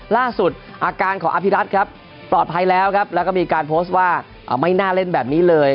ล่าสุดอาการของอภิรัตน์ครับปลอดภัยแล้วครับแล้วก็มีการโพสต์ว่าไม่น่าเล่นแบบนี้เลย